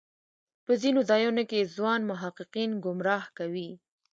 په ځینو ځایونو کې ځوان محققین ګمراه کوي.